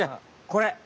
これ！